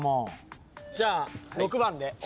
じゃあ６番で。